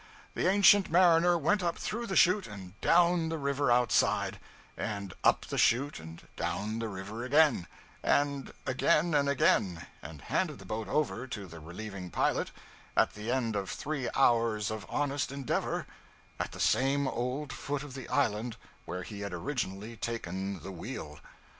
The ancient mariner went up through the chute, and down the river outside; and up the chute and down the river again; and yet again and again; and handed the boat over to the relieving pilot, at the end of three hours of honest endeavor, at the same old foot of the island where he had originally taken the wheel!